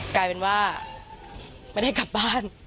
กลายเป็นว่าไม่ได้กลับบ้าน